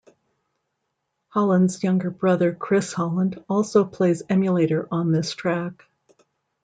Holland's younger brother Chris Holland also plays emulator on this track.